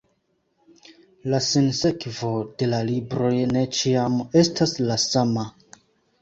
La sinsekvo de la libroj ne ĉiam estas la sama.